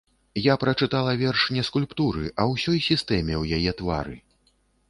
Я прачытала верш не скульптуры, а ўсёй сістэме у яе твары.